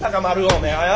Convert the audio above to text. おめえはよ！